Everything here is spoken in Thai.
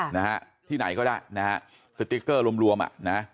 นะฮะที่ไหนก็ได้นะฮะสติ๊กเกอร์รวมรวมอ่ะนะ